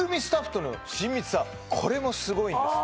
これもすごいんです